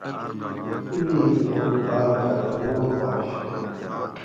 اِیں پن باۤر خطرناک آش